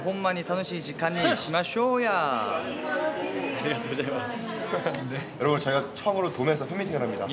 ありがとうございます。